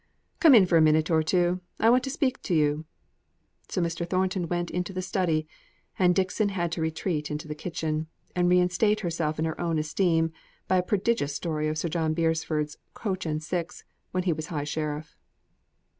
Come in for a minute or two; I want to speak to you." So Mr. Thornton went into the study, and Dixon had to retreat into the kitchen, and reinstate herself in her own esteem by a prodigious story of Sir John Beresford's coach and six, when he was high sheriff.